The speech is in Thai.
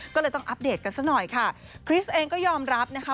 ก็เลยต้องอัปเดตกันซะหน่อยค่ะคริสเองก็ยอมรับนะคะ